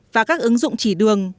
và các ứng dụng chỉ đường